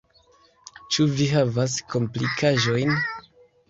Ĉu vi havas komplikaĵojn?